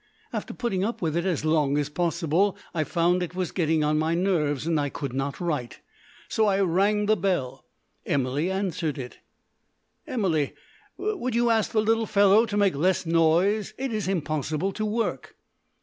After putting up with it as long as possible, I found it was getting on my nerves, and I could not write. So I rang the bell. Emily answered it. "Emily, will you ask the little fellow to make less noise? It's impossible to work."